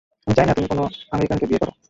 আমি চাই না তুই কোনো আমেরিকানকে বিয়ে কর।